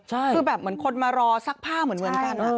คือแบบเหมือนคนมารอซักผ้าเหมือนกัน